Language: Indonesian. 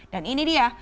dan ini dia